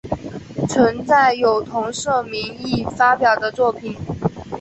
存在有同社名义发表的作品。